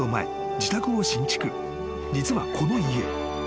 ［実はこの家］